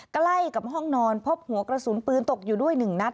ใกล้กับห้องนอนพบหัวกระสุนปืนตกอยู่ด้วย๑นัด